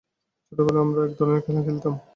ছোটবেলায় আমরা একধরনের খেলা খেলতাম।